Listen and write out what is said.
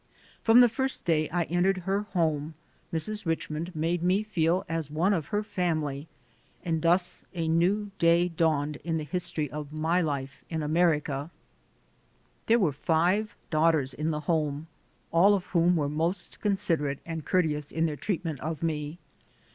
From the first day I entered her home Mrs. Richmond made me feel as one of her family, and thus a new day dawned in the history of my life in America. There were five daughters in the home, all of whom were most considerate and courteous in their treat ment of me.